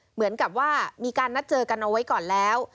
เหมือนกับว่ามีการนัดเจอกันเอาไว้ก่อนแล้ว